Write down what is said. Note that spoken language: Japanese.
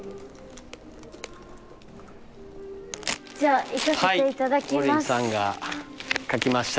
じゃあいかせていただきます。